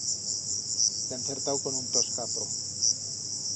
Le ha encertau con un toscazo.